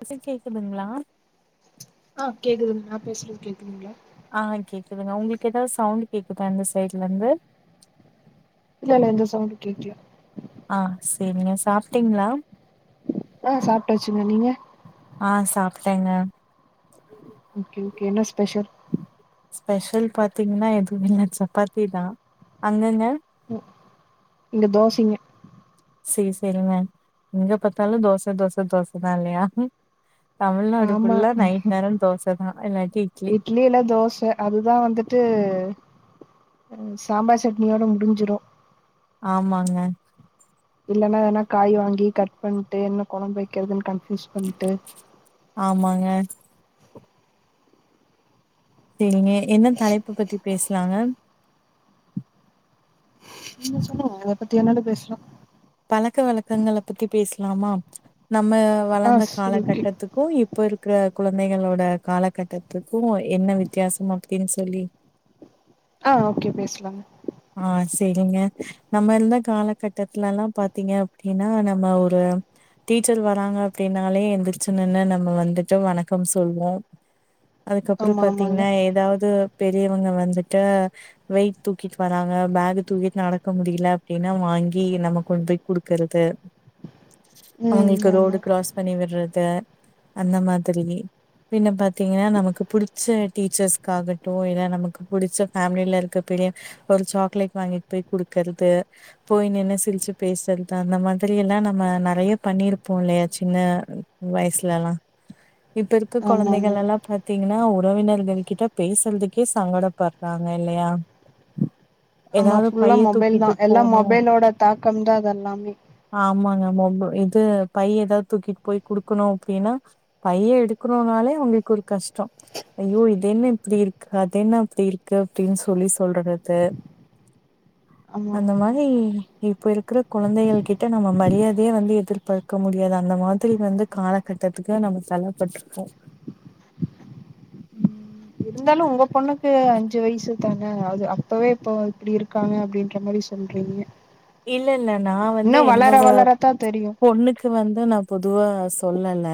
அ ச கேக்குதுங்களா ஆ கேக்குதுங்க நா பேசுறது கேக்குதுங்களா ஆ கேக்குதுங்க உங்களுக்கு ஏதாவது சவுண்ட் கேக்குதா இந்த சைட்ல இருந்து இல்ல இல்ல எந்த சவுண்ட்டு கேக்ல ஆ சேரிங்க சாப்ட்டீங்ளா ஆ சாப்டாச்சிங்க நீங்க ஆஹ சாப்ட்டேங்க ஓகே ஓகே என்னஸ் ஸ்பெஷல் பாத்தீங்ன்னா எது இல்ல சப்பாத்தி தா அங்கங்க இங்க தோசைங்க சே சேரிங்க இங்க பாத்தாலும் தோச தோச தோசதா இல்லையா தமிழ்நாடு ஆமா புல்லா நைட் நேர தோச தோச தா ஐ லைக் இட்லி இல்ல தோச அதுதா வந்துட்டு ம் சாம்பார் சட்னியோட முடிஞ்சிரு ஆமாங்க இல்லன்னா வேன்னா காய் வாங்கி கட் பண்ட்டு என்ன கொழம்பு வைக்கிறதுன்னு கன் ஃபிஷ் பண்டு ஆமாங்க சேரிங்க என்ன தலைப்பு பத்தி பேசலாங்க நீங்க சொல்லுங்க எத பத்தி வேணாலு பேசலா பழக்க வழக்கங்கள பத்தி பேசலாமா நம்ம ஆ வளந்த சரி ஓகே காலகட்டத்துக்கூ இப்ப இருக்குற கொழந்தைகளோட காலகட்டத்துக்கும் என்ன வித்தியாசம் அப்டின்னு சொல்லி ஆ ஓக்கே பேசலாம் ஆஹ் சேரிங்க நம்ம இருந்த காலகட்டத்துலல்லா பாத்தீங்க அப்டின்னா நம்ம ஒரு டீச்சர் வராங்க அப்டின்னாலே எந்திருச்சு நின்னு நம்ம வந்துட்டு வணக்கம் சொல்வோ அதுக்கப்றோ ஆமா ஆமாங்க பாத்தீங்ன்னா ஏதாவ்து பெரியவங்க வந்துட்டு வெயிட் தூக்கிட்டு வராங்க பேகு தூக்கிட்டு நடக்க முடில அப்டின்னா வாங்கி நம்ம கொண்டு போய் குடுக்குறது ம் அவுங்ளுக்கு ஆமா ரோடு க்ராஸ் பண்ணி விட்றத் ப்ப அந்த மாதிரி பின்ன பாத் த்தீங்கன்னா இப் நமக்கு புடிச்ச டீச்சர்ஸ்க்காகட்டும் இல்ல நமக்கு புடிச்ச ஃபேமிலில இருக்கப்பெரிய ஒரு சாக்லேட் வாங்கிட்டு போய் குடுக்குறது போய் நின்னா சிரிச்சு பேசுறது அந்த மாதிரி எல்லா நம்ம நெறைய பண்ணிருப்போ இல்லையா சின்ன வயசுலல்லா இப்ப இருக்க ஆமா ஆமா கொழந்தைகளல்லா பாத்தீங்கன்னா ஒ உறவினர்கள் கிட்ட பேசுறதுக்கே சங்கடப்பட்றாங்க இல்லையா ஆமா ஏதாவது ஃபுல்லா பைய மொபைல் தா தூக்கிட்டு எல்லாம் போணு மொபைலோட தாக்கம் தா அதெல்லாமே மொப் இது பைய் ஏதாது தூக்கிட்டு போய் குடுக்கணு அப்டின்னா பைய எடுக்கணுனாலே உங்களுக்கு ஒரு கஷ்டோ ஐயோ இதென்ன இப்டிருக்கு அதென்ன அப்டிருக்கு அப்டின்னு சொல்லி சொல்றது து ஆமா அந்த ஆமாங்க மாரி இப் இப்பருக்கிற கொழந்தைகள் கிட்ட நம்ம மரியாதைய வந்து எதிர்பார்க்க முடியாது அந்த மாதிரி வந்து காலகட்டத்துக்கு நம்ம தல்லப்பட்ருக்கோ இருந்தாலு உங்க பொண்ணுக்கு அஞ்சு வயசு தான அது அப்பவே இப்போ இப்டி இருக்காங்க அப்டின்ற மாரி சொல்றீங்க இல்லல்ல நா வந்து இன்னு வளர என்னோட வளரத்தா தெரியு பொண்ணுக்கு வந்து நா பொதுவா சொ ஒல்லல்ல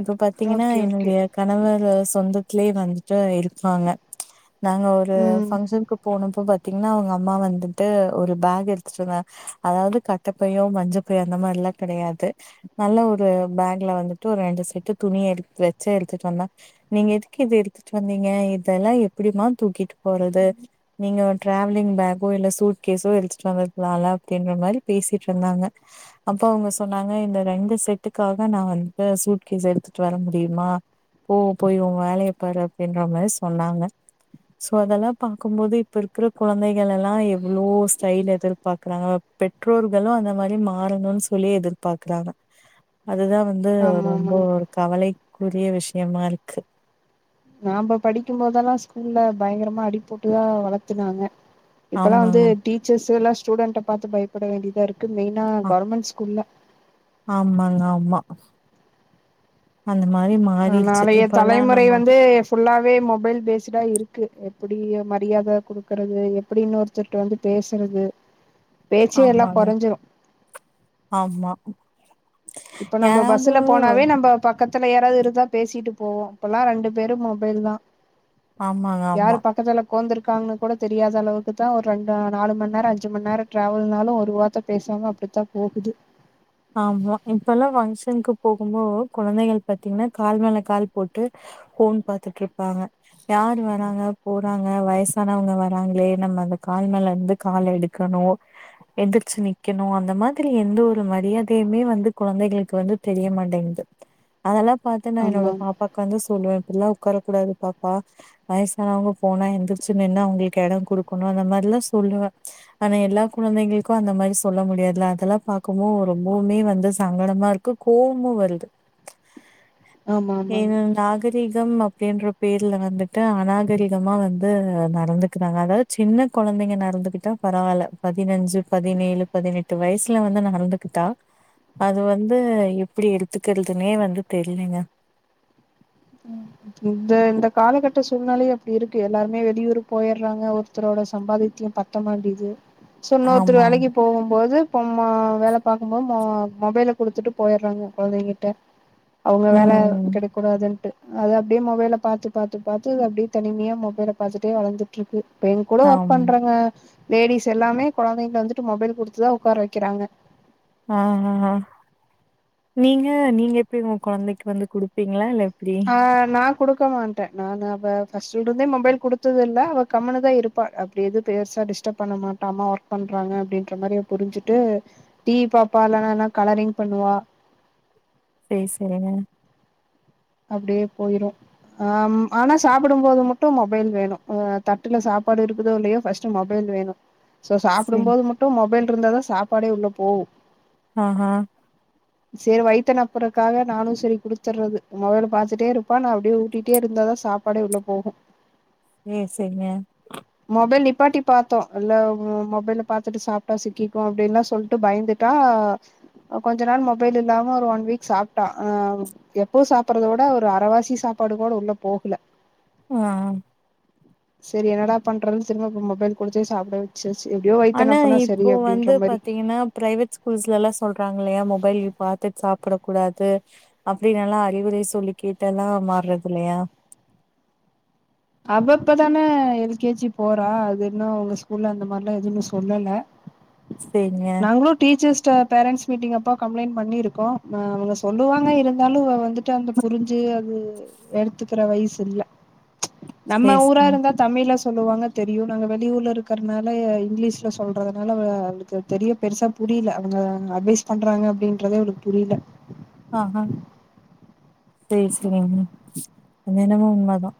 இப்ப பாத்தீங்கன்னா ஓகே ஓகே என்னுடைய கணவரு சொந்த [unintelligible] வந்ட்டு இருப்பாங்க நாங்க ஒரு ம் ஃபங்க்ஷனுக்கு போனும்ப்போனப்ப பாத் த்தீங்ன்னா அவங்கம்மா வந்துட்டு ஒரு பேகு எடுத் ந்த அதாது கட்ட பையோ மஞ்ச பையோ அந்த மாரில்லா கெடையாது நல்ல ஒரு பேக்ல வந்துட்டு ஒரு ரெண்டு செட்டு துணி எடுத்து வெச்சு எடுத்துட்டு வந்தே நீங்க எதுக்கு இது எடுத்துட்டு வந்தீங்க இதெல்லா எப்டிமா தூக்கிட்டு போறது நீங்க டிராவலிங் பேக்கோ இல்ல சூட் கேஸோ எடுத்துட்டு வந்த அப்டின்றா மாதிரி பேசிட்ருந்தாங்க அப்ப அவங்க சொன்னாங்க இந்த ரெண்டு செட்டுக்காக நா வந்துட்டு சூட் கேஸ் எடுத்துட்டு வர முடியுமா போ போய் உ வேலையப்பாரு அப்டின்றா மாதிரி சொன்னாங்க சோ அதெல்லா பாக்கும்போது இப்ப இருக்கிற குழந்தைகள்லலா எவ்ளோ ஸ்டைல் எதிர் பாக்குறாங்க பெற்றோர்களு அந்த மாரி மாறணுன்னு சொல்லி எதிர்பாக்றாங்க அதுதா வந்து ஆமா ரொம்ப ஆமாங்க ஒரு கவலை உரிய விஷயமா இருக்கு நாம்ப படிக்கும் போதெல்லா ஸ்கூல்ல பயங்கரமா அடி போட்டுதா வளத்துனாங்க இப்பல்லா வந்து ஆமாங்க டீச்சர்ஸ் ல்லாம் ஸ்டூடண்ட பாத்து பயப்பட வேண்டிதாருக் க்கு மெயினா ஆ கவர்மெண்ட் ஸ்கூல்ல ஆமாங்க ஆம்மா அ அந்த மாரி ஆ மாறிடுச்சு நாளைய இப்பல்லா தலைமுறை நம்ம வந்து ஃபுல்லாவே மொபைல் பேஸ்டா இருக்கு எப்படி மரியாதை கொடுக்கறது எப்படி இன்னொருத்தர்கிட்ட வந்து பேசுறது பேச்சே எல்லா ஆமாங்க கொறஞ்சு ஆமா இப்ப நம்ம யாராவது பஸ்ஸுல போனாவே நம்ப பக் பக்கத்துல யாராவது இருந்தா பேசிட்டு போவோம் இப்பல்லாம் ரெண்டு பேரும் மொபைல் தான் ஆமாங்க, ஆமா. யாரு பக்கத்துல கொந்தருக்காங்கன்னு கூட தெரியாத அளவுக்கு தான் ஒரு ரெண்டு நாலு மண் நேரம் அஞ்சு மண் நேரம் டிரராவல்னாலும் ஒருவாரத்த பேசாம அப்படித்தான் போகுது ஆமா இப்பல்லாம் பங்க்ஷனுக்கு போகும்போ குழந்தைகள் பாத்தீங்கன்னா கால் மேல கால் போட்டு ஃபோன் பாத்துட்டு இருப்பாங்க யார் வராங்க போறாங்க வயசானவங்க வராங்களே நம்ம அந்த கால் மேல இருந்து கால் எடுக்கணும் எந்திரச்சு நிக்கணும் அந்த மாரி எந்த ஒரு மா தெரியாதையுமே வந்து குழந்தைகளுக்கு வந்து தெரிய மாட்டேங்குது அதெல்லாம் பாத்த நா என்னோட ஆமா பாப்பாக்க வந்து சொல்லுவப்பல்ல உக்காரக்கூடாது பாப்பா வயசானவங்க போனா எந்தருச்சு நின்னு அவங்களுக்கு கொடுக்கணு அந்த மாரிலா சொல்லுவ ஆனா எல்லா குழந்தைங்களுக்கும் அந்த மாரி சொல்ல முடியாதுல அதெல்லா பாார்க்கபோ ம்பவுமே வந்து சங்கடமா இருக்கு கோவமு வருது ஆமா ஏன் ஆமாங்க நாகரீகம் ப்படின்ற பேர்ல வந்துட்டு அநாகரிகமா வந்து நடந்துகிறாங்க அதாவது சின்ன குழந்தைங்க நடந்துகிட்டா பரவாயில்ல பதினஞ்சு பதினேழு பதினெட்டு வயசுல வந்து நடந்துகிட்டா அது வந்து எப்படி எடுத்துக்கிறதுன்னே வந்து தெரியலுங்க இந்த இந்த காலகட்ட சூழ்நிலையே அப்படி இருக்கு எல்லாருமே வெளியூர் போயிறாங்க ஒருத்தரோட சம்பாதித்தியம் பத்தமாண்டேது சோ ன்னோத்தரு ஆமாங்க. வேலைக்கு போகும்போது ப்பா அம்மா வேலை பார்க்கும் போது மொ மொபைல குடுத்துட்டு போயறாங்க குழந்தைகிட்ட அவங்க வேல ம். கெடக் கூடாதுன்ட்டு அது அப்படியே மொபைல பாத்து பாத்து பாத்து அப்டியே தனிமையா மொபைல பாத்துட்டே வளர்ந்துட்டு இருக்கு இப்ப எ கூட ஒர்க் ஆமா. பண்றங்க லேடிஸ் எல்லாமே குழந்தைங்க வந்துட்டு மொபைல் கொடுத்துதா உட்கார வைக்கிறாங்க ஆஹ்ஹ்ஹ் நீங்க நீங்க எப்படி உங்க குழந்தைக்கு வந்து குடுப்பீங்களா இல்ல எப்டி? ஆஹ் ந கொடுக்க மாட்ட நா அத பஸ்ட் இருந்தே மொபைல் குடுத்தது இல்ல அவ கம்மனுதா இருப்பா அப்படி எது பெருசா டிஸ்டர்ப் பண்ண மாட்ட அம்மா ஒர்க் பண்றாங்க அப்படின்ற மாரிய புரி்ஞ்சுட்டு டீவி பாப்பா இல்னா என்னா கலரிங் பண்ணுவா சரி சரிங்க அப்படியே போயிரு அஹ் ஆனா சாப்பிடும்போது மட்டு மொபைல் வேணு தட்டுல சாப்பாடு இருக்குதோ இல்லையோ ஃபஸ்ட் மொபைல் வேணு சோ சரி. சாப்பிடும் போது மட்டு மொபைல் இருந்தாதா சாப்பாடே உள்ள போகு ஆஹ் ஹ் சரி வைத்த நெப்புறக்காக நானு சரி குடுத்துர்றது மொபல பாத்துட்டே இருப்பா நா அப்படியே ஊட்டிட்டே இருந்தாதா சாப்பாடே உள்ள போகு ம் சரிங்க நிபாட்டி பார்த்தோ இல்ல மொபைல பாாரத்துட்டு சாப்பிட்டா சிக்கிக்கு அப்படின்னுல்லா சொல்லிட்டு பயந்துட்டா கொஞ்ச நாள் மொபைல் இல்லாம ஒரு ஒன் வீக் சாப்பிட்டா அஹ் எப் பூ சாப்பறதோட ஒரு அறவாசி சாப்பாடு கூட உள்ள போகல உஹம் சரி என்னடா பண்றதுன்னு திரும்ப இப்ப மொபைல் குடுத்தே சாப்பிட வச்சு ஆனா இப்போ வந்து பாத்தீங்கன்னா பிரைவேட் ஸ்கூல்ஸ்ல எல்லா சொல்றாங்க லைய மொபைல் பாாரத்துட்டு சாப்பிடக்க கூடாது அப்படின்னு எல்லா அறிவுரை சொல்லிகேட்டுலா மாறது இல்லையா அவ இப்பதானே எல்கேஜி போறா அது இன்னு அங்க ஸ்கூல்ல அந்த மாரி எல்லா எதுவுமே சொல்லல சரிங்க. நாங்களு டீச்சர்ஸ் பேரண்ட்ஸ் மீட்டிங் அப்போ கம்ப்ளைன்ட் பண்ணிருக்கோ அவங்க சொல்லுவாங்க இருந்தாலு வந்துட்டு அந்த புரிஞ்சு அது எடுத்துகிற வயசு இல்ல நம்ம சரி ஊரா சரிங்க. இருந்தா தமிழ்ல சொல்லுவாங்க தெரியு நாங்க வெளியூர்ல இருக்கிறதுனால இங்கிலீஷ்ல சொல்றதுனால அவ அவளுக்கு தெரிய பெருசா புரியல அவங்க அட்வைஸ் பண்றாங்க அப்டிங்கிறதே அவளுக்கு புரில ஆஹ் ஆஹ சேரி சேரி அது என்னமோ உண்மை தா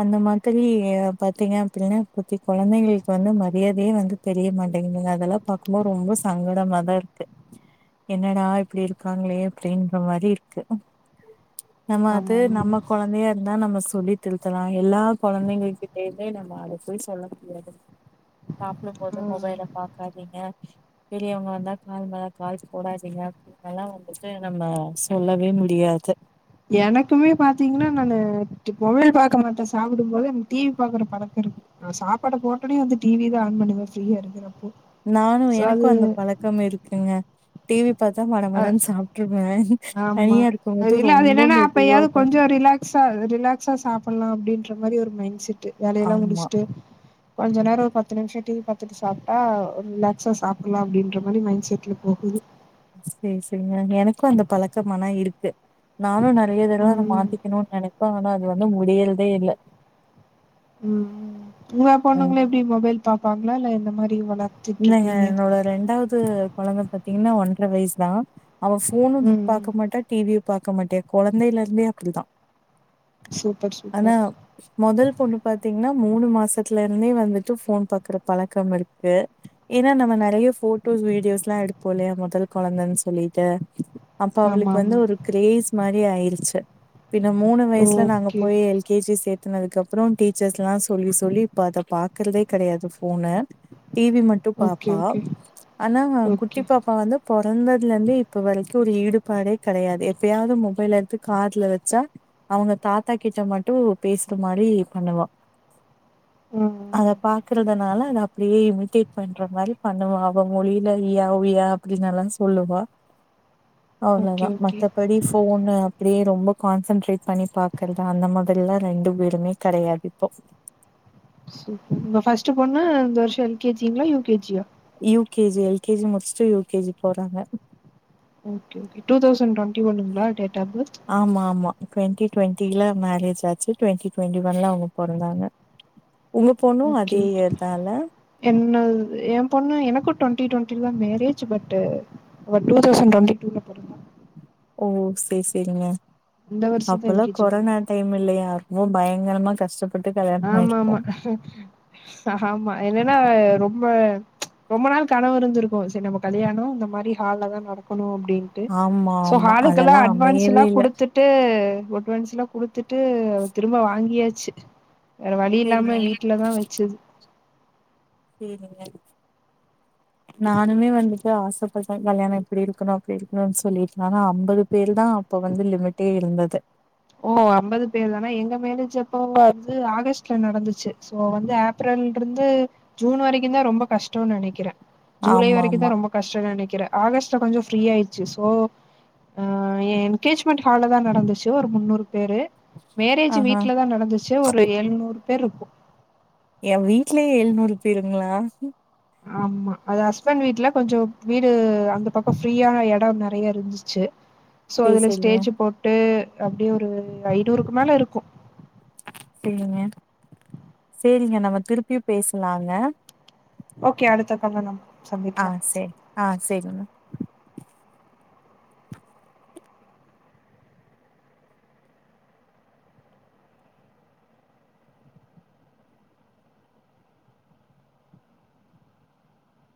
அந்த மாரி பாத்தீங்க அப்பிடின்னா குட்டி கொழந்தைங்களுக்கு வந்து மரியாதையே வந்து தெரிய மாட்டேங்குது அதெல்லா பார்க்கும்போது ரொம்ப சங்கடமாதா இருக்கு என்னடா இப்படி இருக்காங்களே அப்டின்ற மாரி இரு க்கு நம்ம அது ஆமா ஆமா நம்ம கொழந்தையா இருந்தா நம்ம சொல்லி திருத்தலா எல்லா கொழந்தைங்க கிட்டையுமே நம்ம அத போய் சொல்ல முடியாது சாப்புடம் போது ம் மொபைல பாக்காதீங்க பெரியவங்க வந்தா கால் மேல கால் போடாதீங்க எல்லா வந்துட்டு நம்ம சொல்லவே முடியாது எனக்குமே பாத்தீங்னா நானு ட் மொபைல் பாக்க மாட்டே சாப்பிடும் போது டி வி பாக்குற பழக்கம் இருக்கு நா சாப்பாட்ட போட்டோனே வந்து டி வி தா ஆன் பண்ணுவே ஃப்ரீயா இருக்குற அப்போ நானு எனக்கோ அந்த பழக்கம் இருக்குங்க டி வி பாதா அ மடமடன்னு சாப்டுருவே ஆமா அது இல்ல அது என்னென்னா அப்பையாது உக்காந் கொஞ்சோ ரிலாக்ஸா அது ரிலாக்ஸா சாப்புல்லா அப்பிடின்ற மாரி ஒரு மைண்ட் செட் வேலையெல்லா ஆமா முடிச்சுட்டு கொஞ்ச நேரோ ஒ பத்து நிமிஷம் டி வி பாத்துட்டு சாப்டா ஒரு ரிலாக்ஸா சாப்பில்லா அப்டின்ற மாரி மைண்ட் செட்ல போகுது செரி செரிங்க எனக்கு அந்த பழக்கமனா இருக்கு நானு நெறைய தடவ அத ம் மாத்திக்கணுன்னு நெனைப்பே ஆனா அது வந்து இன்னு முடியறதே இல்ல உம் உங்க ம் பொண்ணுங்களே எப்டி மொபைல் பாப்பாங்ளா இல்ல இந்த மாரி வள இல்லங்க என்னோட ரெண்டாவது கொழந்த பாத்தீங்கன்னா ஒன்ற வயிஸ்தா அவ ஃபோன்னு ம் பாக்க மாட்டா டிவியு பாக்க மாட்டியா கொழந்தைல இருந்தே அப்பிடித்தா சூப்பர் ஆனா சூப்பர் மொதல் பொண்ணு பாத்தீங்னா மூணு மாசத்துல இருந்தே வந்துட்டு ஃபோன் பாக்குற பழக்கம் இருக்கு ஏன்னா நம்ம நெறைய போட்டோஸ் வீடியோஸ்லா எடுப்போலியா மொதல் கொழந்தன்னு சொல்லிட்டு அப்ப ஆமா அவளுக்கு ஆமா வந்து ஒரு கிரேஸ் மாரி றே ஆயிருச்சு பின்ன மூணு வயிஸ்ல நாங்க ஓகே. போயி எல் கே ஜி சே தின்னதுக்கப்பறோ டீச்சர்ஸ்லா சொல்லி சொல்லி இப்ப அத பாக்கறதே கெடையாது ஃபோன டி வி மட்டு ஓகே, பாப்பா ஓகே, ஆனா குட்டி ஓகே. பாப்பா வந்து பொறந்ததுல இந்து இப்ப வரை ஒரு ஈடுபாடே கெடையாது எப்பயாது மொபைல் எடுத்து காத்ல வெச்சா அவுங்க தாத்தா கிட்ட மட்டு பேசுற மாரி பண்ணுவா ஆ, அத பாக்கறதனால ந்த அப்டேவு டீட் பண்ற மாரி பண்ணுவா அவ மொழில இயா உய்யா அப்டின்னெல்லா சொல்லுவா ஓகே, அவ்ளோதா ஓகே. மத்தபடி ஃபோன்னு அப்டியே ரொம்ப கான்சன்ட்ரேட் பண்ணி பாக்கறதா அந்த மாதிரிலா ரெண்டு பேருமே கெடையாது இப்போ உங்க ஃபஸ்டு பொண்ணு இந்த வருஷம் எல்கேஜிங்களா யூகேஜியா யூகேஜி எல்கேஜி முடிச்சுட்டு யூகேஜி போறாங்க ஓகே டூ தௌசண்ட் டுவெண்டி ஒன்னுங்களா ஆமா ஆமா டுவென்டி டுவெண்ட்டில மேரேஜ் ஆச்சு டவெண்டி டுவெண்டி ஒன்ல அவங்க பெறந்தாங்க என்ன என் பொண்ணு எனக்கு twenty twenty marriage but two thousand twenty டூல பெறந்தா ஓ செரி செரிங்க இந்த வருஷம் தான் அப்பெல்லா எல்கேஜி கொரோனா போறா. டைம் இல்லையா ர பயங்கரமா கஷ்டப்ப ஆமா ஆமா ஆமா என்னன்னா ரொம்ப ரொம்ப நாள் கனவு இருந்திருக்கு செரி நம்ம கல்யாணம் இந்த மாரி ஹால்ல தா நடக்கணு அ அப்டின்டு ஆமா சோ ஆமா ஹளுக்கெல்லா அதெல்லா அட்வான்ஸ்ல்லா அமையவே இல்ல குடுத்துட்டு அட்வான்ஸ்லா குடுத்துட்டு திரும்ப வாங்கியாச்சு வேற வழி சரிங்க இல்லாம வீட்லதா வெச்சுது நானுமே வந்துட்டு ஆசப்பட்ட கல்யாணம் எப்டி இருக்கணு அப்டி இருக்கணுனு சொல்லிட்டு ஆனா அம்பது பேரு தா அப்ப வந்து லிமிட்டே இருந்தது ஓ அம்பது பேர் தானா எங்க மேலேஜ அப்போ வந்து ஆகஸ்ட்ல நடந்துச்சு சோ வந்து ஏப்ரல் இருந்து ஜூன் வரைக்கு தா ரொம்ப கஷ்டோனு நெனைக்கிற ஜூலை ஆமா வரைக்குதா ஆமா ரொம்ப கஷ்டம் இரு ஆகஸ்ட்ல கொஞ்சோ ஃபிரீ ஆயிடுச்சு சோ ஏ என்கேஜ்மெண்ட் ஹால்ல தா நடந்துச்சு முன்னூறுக்கு பேரு மேரேஜ் ஆஹா வீட்ல தா நடந்துச்சு ஒரு ஏழ்நூறு பெருப்ப ஏ வீட்லயே ஏழுநூறு பேருங்களா ஆமா அது ஹஸ்பண்ட் வீட்டல கொஞ்சோ வீடு அந்த பக்கம் ஃப்ரீயான எடம் நெறைய இருந்துச்சு சோ சரி அதுல சரிங்க ஸ்டேஜ் போட்டு அப்டியே ஒரு ஐநூறுக்கு மேல இருக்கு செரிங்க நம்ம திருப்பியு பேசலாங்க ஓகே அடுத்த கால் நம் ஆஹ் செரி ஆஹ் செரி